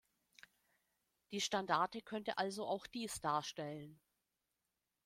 Die Standarte könnte also auch dies darstellen.